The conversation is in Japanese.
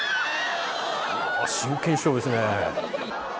真剣勝負ですね。